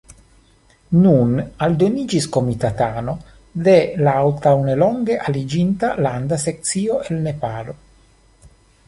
Nun aldoniĝis komitatano de la antaŭnelonge aliĝinta Landa Sekcio el Nepalo.